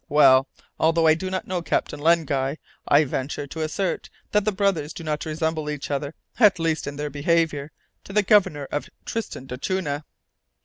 Well, although I do not know Captain Len Guy, I venture to assert that the brothers do not resemble each other at least in their behaviour to the Governor of Tristan d'Acunha!"